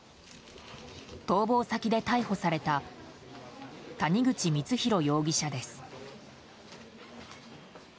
逃亡先で逮捕された谷口光弘容疑者です。